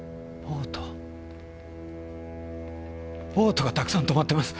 ボートがたくさん停まってます！